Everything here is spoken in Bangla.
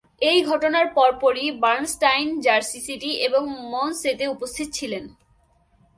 এই ঘটনার পরপরই বার্নস্টাইন জার্সি সিটি এবং মনসেতে উপস্থিত ছিলেন।